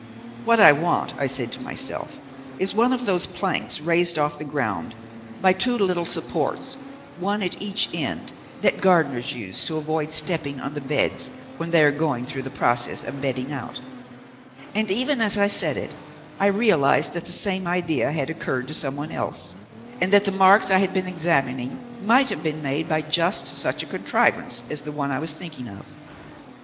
"'What I want,' I said to myself, 'is one of those planks raised off the ground by two little supports, one at each end, that gardeners use to avoid stepping on the beds when they are going through the process of bedding out,' And even as I said it, I realized that the same idea had occurred to some one else, and that the marks I had been examining might have been made by just such a contrivance as the one I was thinking of.